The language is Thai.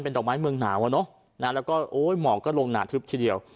ดอกไม้เมืองหนาวอ่ะเนอะแล้วก็โอ้ยหมอกก็ลงหนาทึบทีเดียว